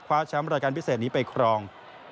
แชมป์รายการพิเศษนี้ไปครอง